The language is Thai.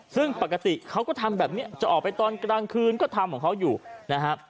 ซึ่งปกติเขาก็ทำแบบนี้จะออกไปตอนกลางคืนก็ทำของเขาอยู่นะครับ